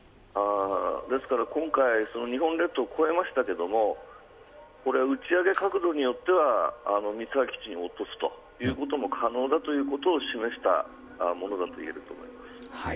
ですから今回日本列島を越えましたけれどもこれ、打ち上げ角度によっては三沢基地に落とすということも可能だということを示したものだといえると思います。